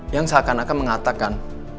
yang seakan akan mengatakan